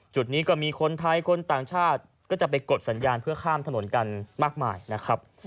จุดนี้ก็มีคนไทยคนต่างชาติก็จะไปกดสัญญาณเพื่อข้ามถนนกันมากมายนะครับ